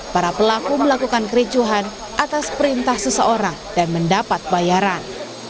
para pelaku melakukan kericuhan atas perintah seseorang dan mendapat bayaran